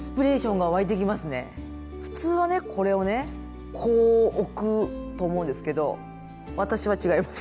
普通はねこれをねこう置くと思うんですけど私は違います。